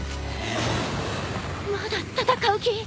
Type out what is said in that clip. まだ戦う気！？